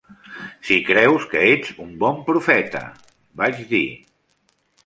"Si creus que ets un bon profeta", vaig dir.